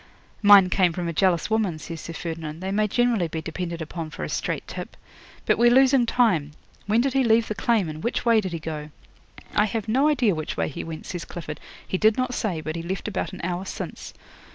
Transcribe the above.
'"Mine came from a jealous woman," says Sir Ferdinand. "They may generally be depended upon for a straight tip. But we're losing time. When did he leave the claim, and which way did he go?" '"I have no idea which way he went," says Clifford. "He did not say, but he left about an hour since."